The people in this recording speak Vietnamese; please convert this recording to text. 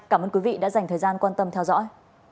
cảm ơn quý vị đã dành thời gian quan tâm theo dõi